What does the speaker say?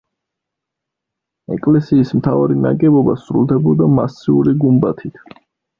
ეკლესიის მთავარი ნაგებობა სრულდებოდა მასიური გუმბათით.